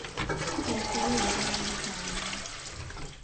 Kkookolo bbwa eritawona.